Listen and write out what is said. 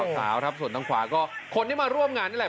สาวครับส่วนทางขวาก็คนที่มาร่วมงานนี่แหละ